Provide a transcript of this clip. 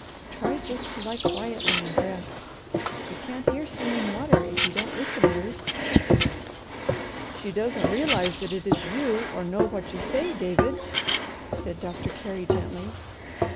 Try just to lie quietly and rest. You can't hear Singing Water if you don't listen, Ruth." "She doesn't realize that it is you or know what you say, David," said Doctor Carey gently.